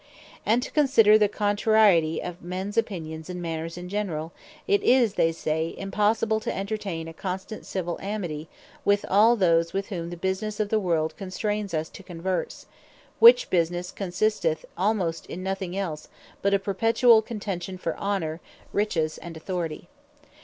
And to consider the contrariety of mens Opinions, and Manners in generall, It is they say, impossible to entertain a constant Civill Amity with all those, with whom the Businesse of the world constrains us to converse: Which Businesse consisteth almost in nothing else but a perpetuall contention for Honor, Riches, and Authority.